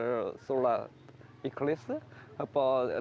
ini suatu tempat yang sangat layak untuk pengamatan